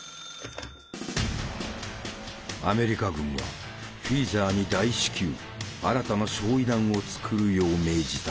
☎アメリカ軍はフィーザーに大至急新たな焼夷弾を作るよう命じた。